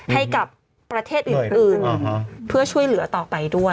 ให้กับประเทศอื่นเพื่อช่วยเหลือต่อไปด้วย